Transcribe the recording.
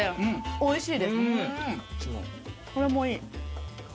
おいしい。